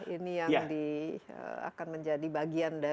ini yang akan menjadi bagian dari